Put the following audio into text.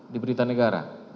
di berita negara